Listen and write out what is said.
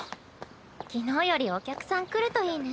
昨日よりお客さん来るといいね。